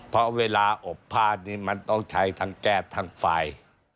เพราะเวลาอบผ้านี้มันต้องใช้ทั้งแก๊สทั้งไฟ